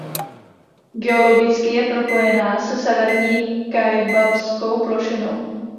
Geologicky je propojená se severní Kaibabskou plošinou.